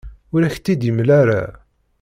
Ur ak-tt-id-yemla ara.